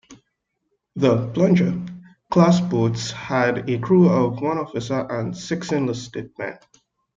The "Plunger"-class boats had a crew of one officer and six enlisted men.